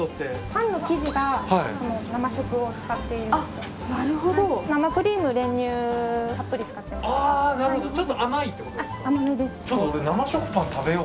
パンの生地が生食を使っているんですよ。